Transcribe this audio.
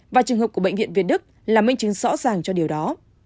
và trường hợp của bệnh viện việt đức là minh chứng rõ ràng cho điều đó